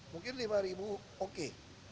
mungkin lima ribu oke